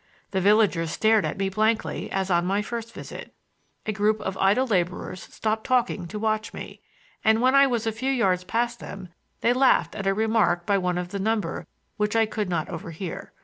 The villagers stared at me blankly as on my first visit. A group of idle laborers stopped talking to watch me; and when I was a few yards past them they laughed at a remark by one of the number which I could not overhear.